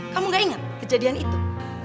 kamu gak ingat kejadian itu